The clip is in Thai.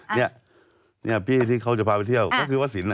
เนี่ยพี่ที่เขาจะพาไปเที่ยวก็คือวัดสิน